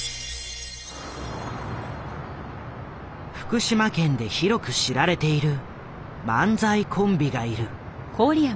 福島県で広く知られている漫才コンビがいる。